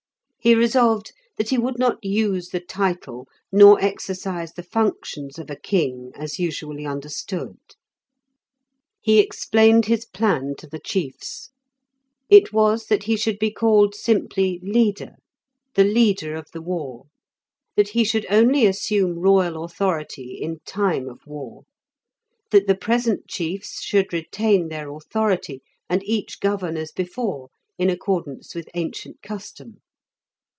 He resolved that he would not use the title, nor exercise the functions of a king as usually understood. He explained his plan to the chiefs; it was that he should be called simply "Leader", the Leader of the War; that he should only assume royal authority in time of war; that the present chiefs should retain their authority, and each govern as before, in accordance with ancient custom.